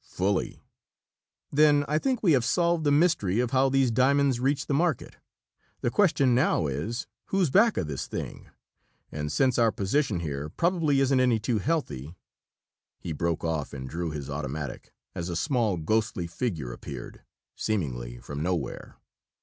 "Fully." "Then I think we have solved the mystery of how these diamonds reach the market. The question now is, who's back of this thing? And since our position here probably isn't any too healthy " He broke off and drew his automatic, as a small, ghostly figure appeared seemingly from nowhere.